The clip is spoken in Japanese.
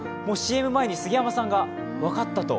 ＣＭ前に杉山さんが分かったと。